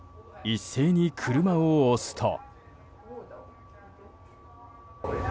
一斉に車を押すと。